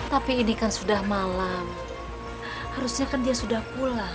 tapi ini kan sudah malam harusnya kan dia sudah pulang